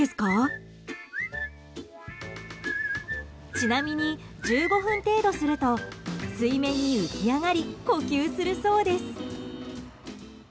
ちなみに、１５分程度すると水面に浮き上がり呼吸するそうです。